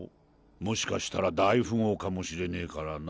もしかしたら大富豪かもしれねえからな